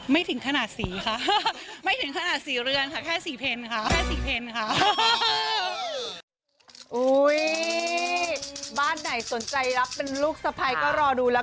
ไม่ถึงขนาดสีค่ะไม่ถึงขนาดสีเรือนค่ะ